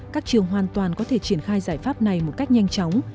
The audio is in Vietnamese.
các trường hoàn toàn có thể triển khai giải pháp này một cách nhanh chóng